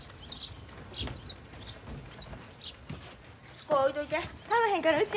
そこへ置いといて。